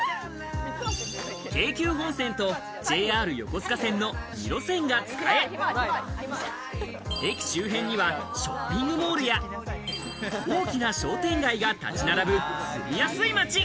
京急本線とＪＲ横須賀線の２路線が使え、駅周辺にはショッピングモールや大きな商店街が立ち並ぶ住みやすい街。